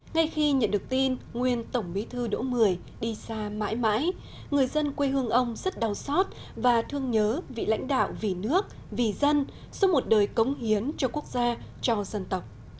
ngay khi nhận được tin nguyên tổng bí thư đỗ mười đi xa mãi mãi người dân quê hương ông rất đau xót và thương nhớ vị lãnh đạo vì nước vì dân suốt một đời cống hiến cho quốc gia cho dân tộc